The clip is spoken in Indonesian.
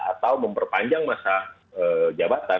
atau memperpanjang masa jabatan